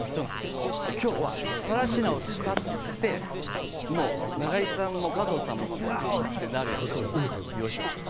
今日は更科を使って中井さんも加藤さんもワオ！ってなるやつを用意しました。